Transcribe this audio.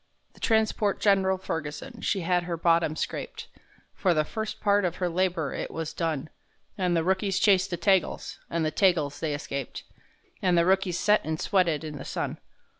The transport Gen'ral Ferguson, she had her bottom scraped, For the first part of her labor it was done, An' the rookies chased the Tagals and the Tagals they escaped,— An' the rookies set and sweated in the sun.